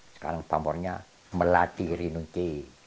sekarang pamornya melatih rinunci